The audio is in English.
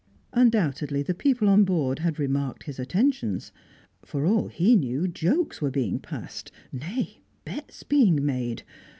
Undoubtedly the people on board had remarked his attentions; for all he knew, jokes were being passed, nay, bets being made.